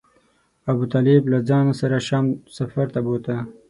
ابو طالب له ځان سره شام سفر ته بوته.